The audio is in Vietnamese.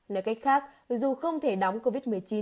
nói cách khác dù không thể đóng covid một mươi chín